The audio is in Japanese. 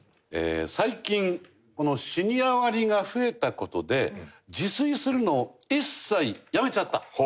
最近このシニア割が増えた事で自炊するのを一切やめちゃった。